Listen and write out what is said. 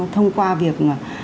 thông qua việc